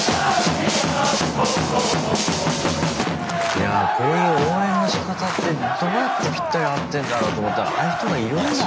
いやこういう応援のしかたってどうやってぴったり合ってんだろうと思ったらああいう人がいるんだ。